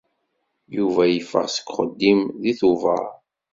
Yuba yeffeɣ seg uxeddim deg Tubeṛ.